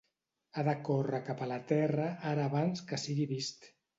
Ha de córrer cap a la terra ara abans que sigui vist.